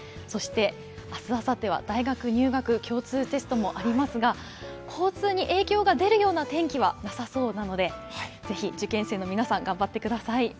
そして明日、あさっては大学入学共通テストもありますが交通に影響が出るような天気はなさそうなので是非、受験生の皆さん頑張ってください。